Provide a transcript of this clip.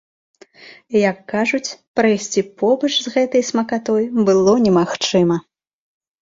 Як кажуць, прайсці побач з гэтай смакатой было немагчыма!